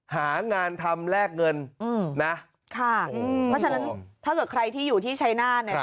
หางานทำแลกเงินนะค่ะเพราะฉะนั้นถ้าเกิดใครที่อยู่ที่ชัยนาธเนี่ย